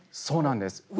そうなんです。